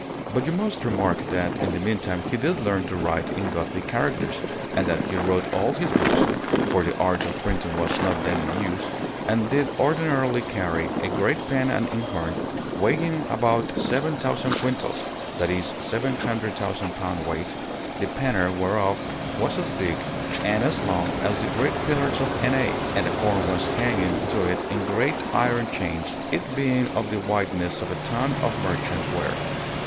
But you must remark that in the mean time he did learn to write in Gothic characters, and that he wrote all his books for the art of printing was not then in use and did ordinarily carry a great pen and inkhorn, weighing about seven thousand quintals (that is, 700,000 pound weight), the penner whereof was as big and as long as the great pillars of Enay, and the horn was hanging to it in great iron chains, it being of the wideness of a tun of merchant ware.